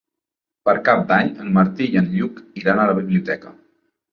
Per Cap d'Any en Martí i en Lluc iran a la biblioteca.